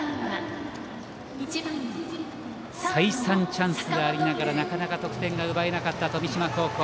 再三、チャンスがありながらなかなか得点が奪えなかった富島高校。